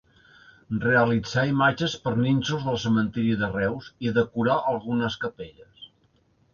Realitzà imatges per nínxols del cementiri de Reus, i decorà algunes capelles.